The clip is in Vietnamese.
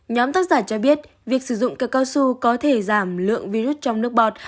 nhóm tác giả cho biết việc sử dụng từ cao su có thể giảm lượng virus trong nước bọt